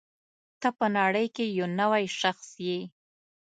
ته په نړۍ کې یو نوی شخص یې.